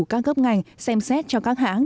các cấp ngành xem xét cho các hãng